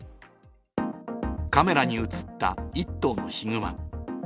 カメラに写った１頭のヒグマ。